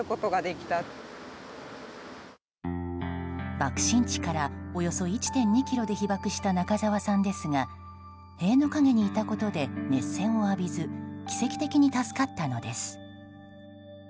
爆心地からおよそ１．２ｋｍで被爆した中沢さんですが塀の影にいたことで熱線を浴びず奇跡的に助かったのです。